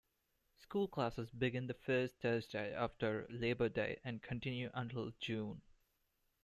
School classes begin the first Thursday after Labor Day, and continue until June.